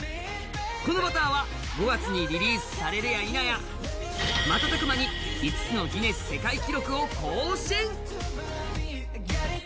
この「Ｂｕｔｔｅｒ」は５月にリリースされるやいなや瞬く間に５つの世界ギネス記録を更新。